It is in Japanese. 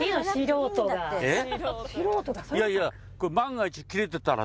いやいや。